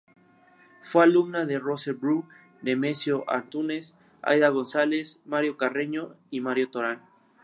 Fue alumna de Roser Bru, Nemesio Antúnez, Aída González, Mario Carreño y Mario Toral.